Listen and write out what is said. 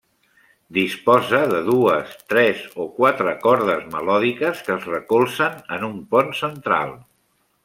Disposa de dues, tres o quatre cordes melòdiques que es recolzen en un pont central.